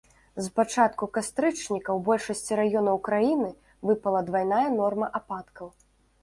З пачатку кастрычніка ў большасці раёнаў краіны выпала двайная норма ападкаў.